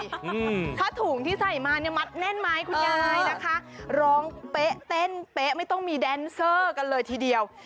ถ้าถุงที่ใส่มาเนี่ยมัดแน่นไหมคุณยายนะคะร้องเป๊ะเต้นเป๊ะไม่ต้องมีแดนเซอร์กันเลยทีเดียว